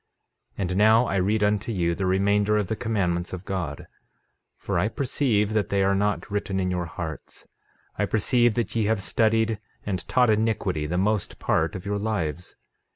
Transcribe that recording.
13:11 And now I read unto you the remainder of the commandments of God, for I perceive that they are not written in your hearts; I perceive that ye have studied and taught iniquity the most part of your lives.